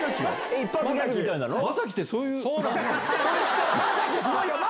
一発ギャグみたいなやつ？